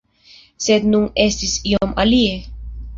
Sed nun estis iom alie.